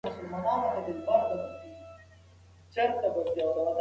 ګلالۍ د دسترخوان په هوارولو کې خپله مینه ښودله.